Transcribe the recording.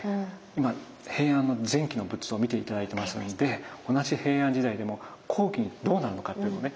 今平安の前期の仏像を見て頂いてますので同じ平安時代でも後期にどうなるのかっていうのがね